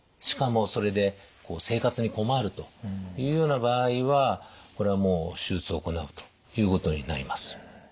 しかもそれで生活に困るというような場合はこれはもう手術を行うということになります。